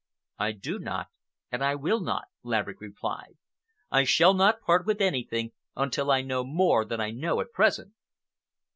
"I do not and I will not," Laverick replied. "I shall not part with anything until I know more than I know at present."